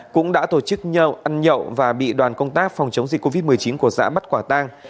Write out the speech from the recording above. cũng đã tổ chức nhậu ăn nhậu và bị đoàn công tác phòng chống dịch covid một mươi chín của xã bắt quả tang